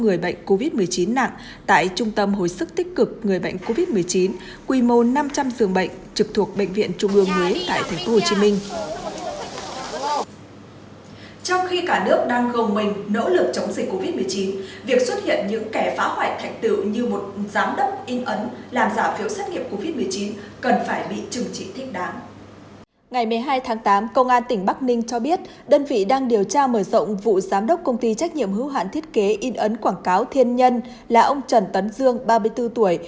ngày một mươi hai tháng tám công an tỉnh bắc ninh cho biết đơn vị đang điều tra mở rộng vụ giám đốc công ty trách nhiệm hưu hạn thiết kế in ấn quảng cáo thiên nhân là ông trần tấn dương ba mươi bốn tuổi